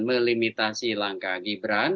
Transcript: melimitasi langkah gibran